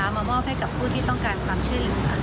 มามอบให้กับผู้ที่ต้องการความช่วยเหลือ